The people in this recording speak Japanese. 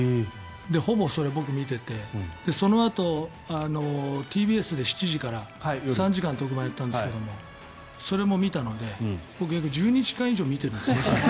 ほぼそれ、僕見ていてそのあと、ＴＢＳで７時から３時間、特番やったんですがそれも見たので僕、約１２時間以上見ているんです。